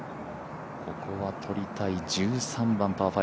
ここは取りたい、１３番パー５。